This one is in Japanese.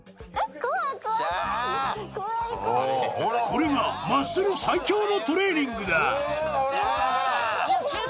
これがマッスル最強のトレーニングだシャ！